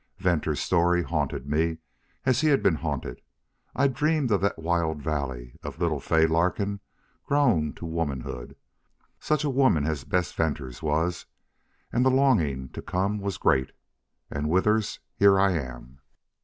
Venters's story haunted me as he had been haunted. I dreamed of that wild valley of little Fay Larkin grown to womanhood such a woman as Bess Venters was. And the longing to come was great.... And, Withers here I am."